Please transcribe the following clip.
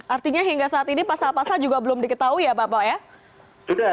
artinya hingga saat ini pasal pasal juga belum diketahui ya bapak ya